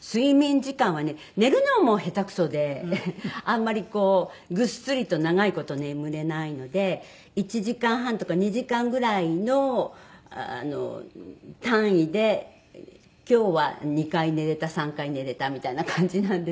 睡眠時間はね寝るのも下手くそであんまりこうぐっすりと長い事眠れないので１時間半とか２時間ぐらいの単位で今日は２回寝れた３回寝れたみたいな感じなんですよね。